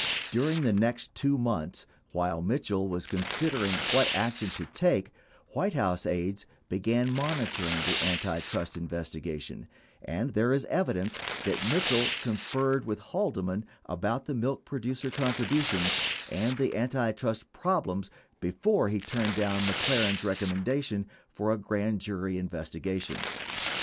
During the next 2 months, while Mitchell was considering what action, to take, White House aides began monitoring the antitrust investigation and there is evidence that Mitchell conferred with Haldeman about the milk producer contributions and the antitrust problem before he turned down McLaren's recommendation for a grand jury in vestigation.